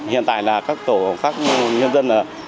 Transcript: hiện tại các tổ nhân dân